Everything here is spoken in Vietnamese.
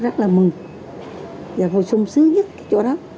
rất là mừng và hồi sung sướng nhất cái chỗ đó